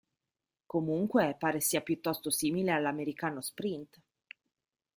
Comunque, pare sia piuttosto simile all'americano Sprint.